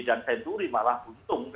dan century malah untung